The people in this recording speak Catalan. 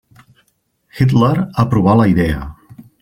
Hitler aprovà la idea.